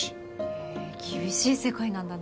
へぇ厳しい世界なんだね。